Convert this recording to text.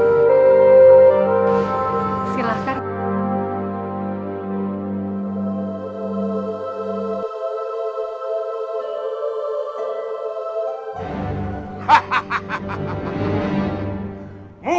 ini tuhan sire hacemos serah terima kasih kepada tuhan